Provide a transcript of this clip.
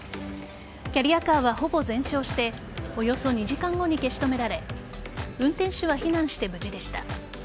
キャリアカーはほぼ全焼しておよそ２時間後に消し止められ運転手は避難して無事でした。